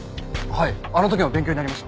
はいあの時も勉強になりました。